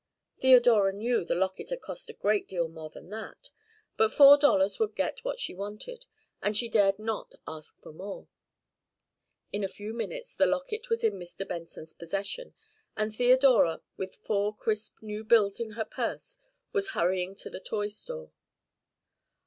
Theodora knew the locket had cost a great deal more than that, but four dollars would get what she wanted, and she dared not ask for more. In a few minutes the locket was in Mr. Benson's possession, and Theodora, with four crisp new bills in her purse, was hurrying to the toy store.